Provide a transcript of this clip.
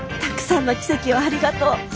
たくさんの奇跡をありがとう。